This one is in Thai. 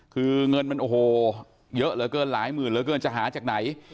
คือเงินมันโอ้โหเยอะเหลือเกินหลายหมื่นเหลือเกินจะหาจากไหน